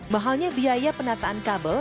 mahalnya biaya penataan kabel